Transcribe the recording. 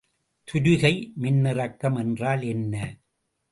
தூரிகை மின்னிறக்கம் என்றால் என்ன?